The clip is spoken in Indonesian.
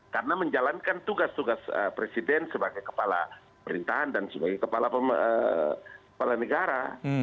karena menjalankan tugas tugas presiden sebagai kepala pemerintahan dan sebagai kepala negara